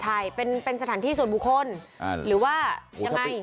ใช่เป็นสถานที่ส่วนบุคคลหรือว่ายังไง